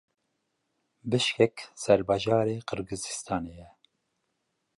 Bişkek serbajarê Qirgizistanê ye.